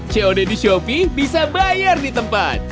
cod di shopee bisa bayar di tempat